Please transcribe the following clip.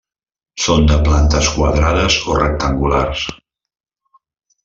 Són de plantes quadrades o rectangulars.